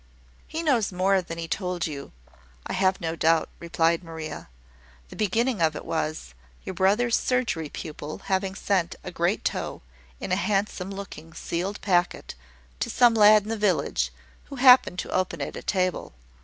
"He knows more than he told you, I have no doubt," replied Maria. "The beginning of it was, your brother's surgery pupil having sent a great toe, in a handsome looking sealed packet, to some lad in the village, who happened to open it at table.